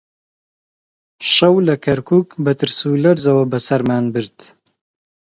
شەو لە کەرکووک بە ترس و لەرزەوە بەسەرمان برد